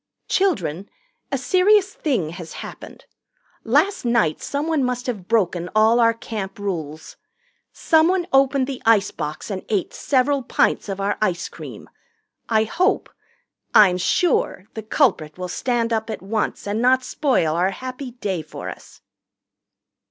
"Children, a serious thing has happened. Last night someone must have broken all our Camp rules. Someone opened the icebox and ate several pints of our ice cream. I hope I'm sure the culprit will stand up at once and not spoil our happy day for us."